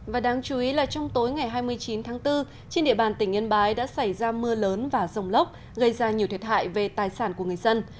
và đáng chú ý là trong tối ngày hai mươi chín tháng bốn trên địa bàn tỉnh yên bái đã xảy ra mưa lớn và rông lốc gây ra nhiều thiệt hại về tài sản của người dân